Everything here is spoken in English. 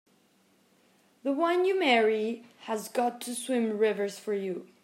The one you marry has got to swim rivers for you!